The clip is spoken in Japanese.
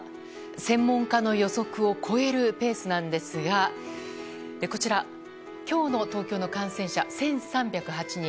専門家の予測を超えるペースなんですがこちら、東京の今日の感染者１３０８人。